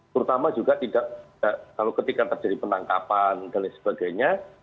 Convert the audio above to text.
terutama juga kalau ketika terjadi penangkapan dan lain sebagainya